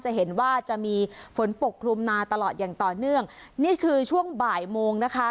จะเห็นว่าจะมีฝนปกคลุมมาตลอดอย่างต่อเนื่องนี่คือช่วงบ่ายโมงนะคะ